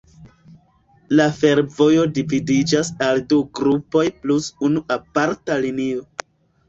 La fervojo dividiĝas al du grupoj plus unu aparta linio.